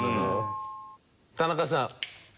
田中さん。